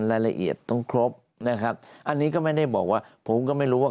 รายละเอียดต้องครบนะครับอันนี้ก็ไม่ได้บอกว่าผมก็ไม่รู้ว่า